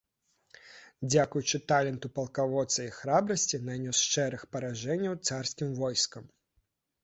Дзякуючы таленту палкаводца і храбрасці нанёс шэраг паражэнняў царскім войскам.